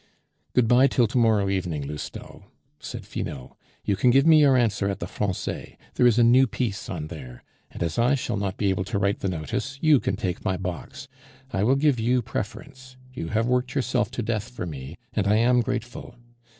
"Good bye till to morrow evening, Lousteau," said Finot. "You can give me your answer at the Francais; there is a new piece on there; and as I shall not be able to write the notice, you can take my box. I will give you preference; you have worked yourself to death for me, and I am grateful.